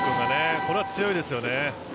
これは強いですよね。